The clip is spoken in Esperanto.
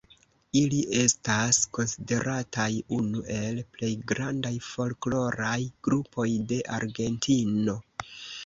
Ili estas konsiderataj unu el plej grandaj folkloraj grupoj de Argentino.